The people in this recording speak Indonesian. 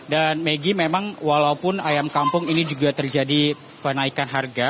dan megi memang walaupun ayam kampung ini juga terjadi penaikan harga